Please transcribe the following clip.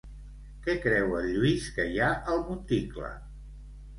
Què creu el Lluís que hi ha al monticle?